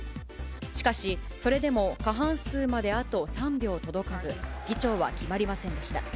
しかし、それでも過半数まであと３票届かず、議長は決まりませんでした。